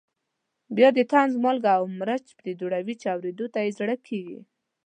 بیا د طنز مالګه او مرچ پرې دوړوي چې اورېدو ته یې زړه کېږي.